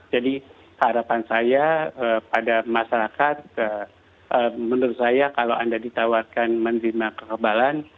jadi harapan saya pada masyarakat menurut saya kalau anda ditawarkan menerima kekebalan